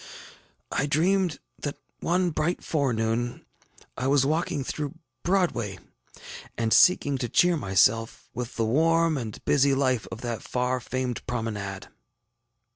ŌĆ£I dreamed that one bright forenoon I was walking through Broadway, and seeking to cheer myself with the warm and busy life of that far famed promenade.